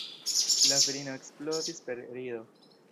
La virino eksplodis per rido.